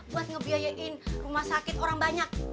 buat ngebiayain rumah sakit orang banyak